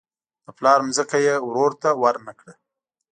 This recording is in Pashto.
د پلار ځمکه یې ورور ته ورنه کړه.